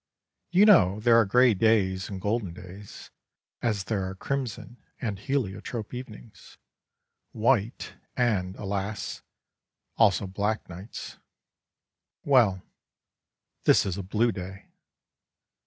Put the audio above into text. You know there are grey days and golden days; as there are crimson and heliotrope evenings, white, and, alas! also black nights well, this is a blue day.